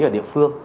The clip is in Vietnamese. ở địa phương